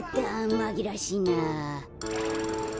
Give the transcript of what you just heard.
まぎらわしいな。